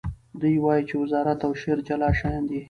دی وایي چې وزارت او شعر جلا شیان دي.